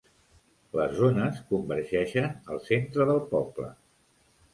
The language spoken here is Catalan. Les zones convergeixen al centre del poble.